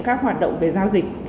các hoạt động về giao dịch